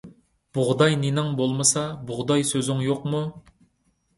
بۇغداي نېنىڭ بولمىسا، بۇغداي سۆزۈڭ يوقمۇ.